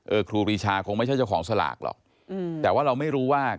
ครูปรีชาคงไม่ใช่เจ้าของสลากหรอกอืมแต่ว่าเราไม่รู้ว่า